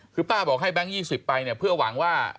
คือป้าบอกให้แบงค์๒๐ไปเนี่ยเพื่อหวังว่า